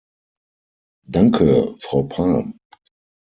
Danke, Frau Palm.